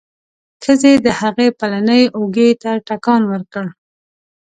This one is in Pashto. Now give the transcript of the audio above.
ښځې د هغه پلنې اوږې ته ټکان ورکړ.